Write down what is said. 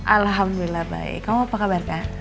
alhamdulillah baik kamu apa kabar kak